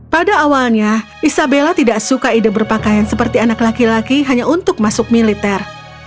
pada awalnya isabella tidak suka ide berpakaian seperti anak laki laki hanya untuk masuk militer